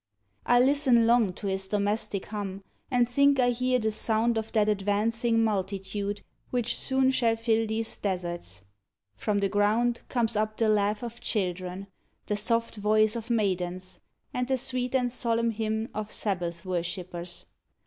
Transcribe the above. I listen long To his domestic hum, and think I hear The sound of that advancing multitude Which soon shall fill these deserts. From the ground Comes up the laugh of children, the soft voice Of maidens, and the sweet and solemn hymn Of Sabbath worshippers.